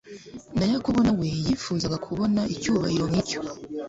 na Yakobo na we yifuzaga kubona icyubahiro nk'icyo.